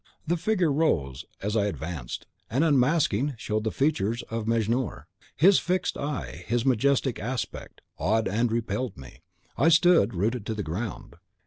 "The figure rose as I advanced, and, unmasking, showed the features of Mejnour. His fixed eye, his majestic aspect, awed and repelled me. I stood rooted to the ground.